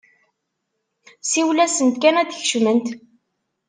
Siwel-asent kan ad d-kecment!